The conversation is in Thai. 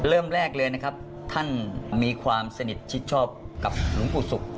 เริ่มแรกเลยนะครับท่านมีความสนิทชิดชอบกับหลวงปู่ศุกร์